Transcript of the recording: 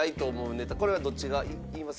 これはどっちが言います？